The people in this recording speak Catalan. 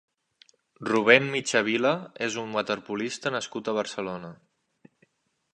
Rubén Michavila és un waterpolista nascut a Barcelona.